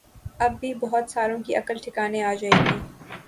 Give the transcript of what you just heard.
اب بھی بہت ساروں کی عقل ٹھکانے آجائے گی